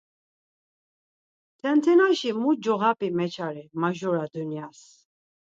Tentenaşi mu coğap̌i meçare majura dunyas?